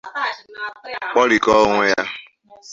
kpọrikọọ onwe ya.